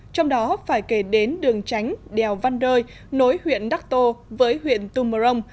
trong đó phải kể đến đường tránh đèo văn rơi nối huyện đắc tô với huyện tumorong